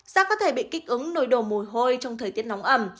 giác có thể bị kích ứng nồi đồ mồ hôi trong thời tiết nóng ẩm